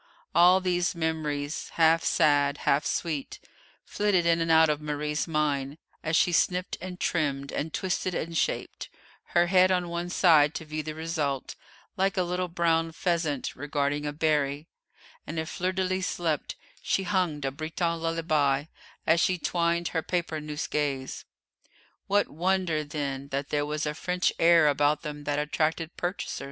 All these memories, half sad, half sweet, flitted in and out of Marie's mind as she snipped and trimmed and twisted and shaped, her head on one side to view the result, like a little brown pheasant regarding a berry; and if Fleur de lis slept, she hummed a Breton lullaby as she twined her paper nosegays. What wonder, then, that there was a French air about them that attracted purchasers?